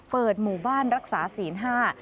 เปิดหมู่บ้านรักษาศีลห้า